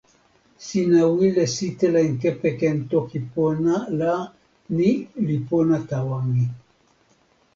sina wile sitelen kepeken Toki Pona la ni li pona tawa mi.